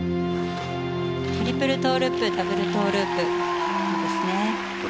トリプルトウループダブルトウループ。